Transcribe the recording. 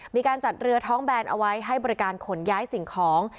มีการจัดเรือท้องแบนเอาไว้ให้บริการขนย้ายสิ่งของ